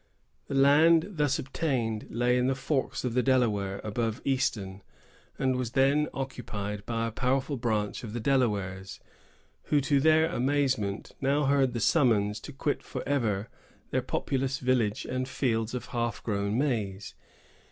The land thus obtained lay in the Forks of the Delaware, above Easton, and was then occupied by a powerful branch of the Delawares, who, to their amazement, now heard the summons to quit for ever their populous village and fields of half grown maize.